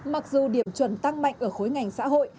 mặc dù điểm chuẩn tăng mạnh ở khối ngành xã hội